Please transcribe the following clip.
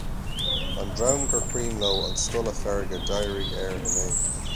An dream gur chuimhin leo an stolladh feirge d'éirigh air inné.